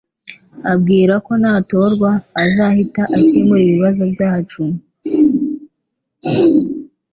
ababwira ko natorwa azahita akemura ibibazo byacu